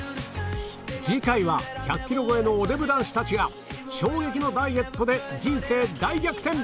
次回は１００ｋｇ超えのおデブ男子たちが衝撃のダイエットで人生大逆転！